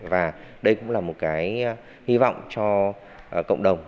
và đây cũng là một cái hy vọng cho cộng đồng